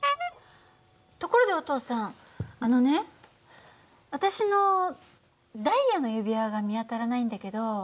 ところでお父さんあのね私のダイヤの指輪が見当たらないんだけど。